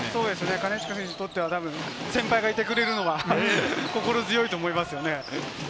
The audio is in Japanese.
金近選手にとっては先輩がいてくれるのは心強いと思いますね。